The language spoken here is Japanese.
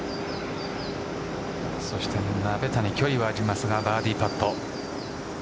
そして、鍋谷距離はありますがバーディーパット。